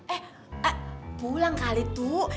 eh pulang kali tuh